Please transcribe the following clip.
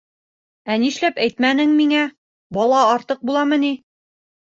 — Ә нишләп әйтмәнең миңә, бала артыҡ буламы ни?